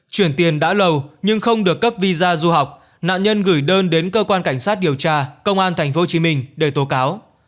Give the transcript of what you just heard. chuyển tiền đã lâu nhưng không được cấp visa du học nạn nhân gửi đơn đến cơ quan cảnh sát điều tra công an tp hcm để tố cáo